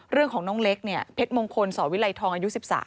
เรื่องของน้องเล็กเนี่ยเพชรมงคลสอวิลัยทองอายุ๑๓